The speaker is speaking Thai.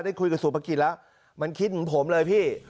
ได้คุยกับสุภกิจแล้วมันคิดเหมือนผมเลยพี่